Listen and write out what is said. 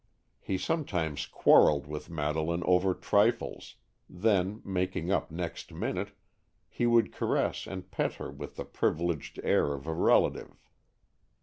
He sometimes quarreled with Madeleine over trifles, then, making up the next minute, he would caress and pet her with the privileged air of a relative.